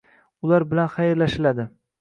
ular bilan xayrlashiladi.